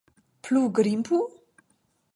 Plu grimpu?